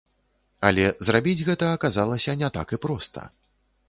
Але зрабіць гэта аказалася не так і проста.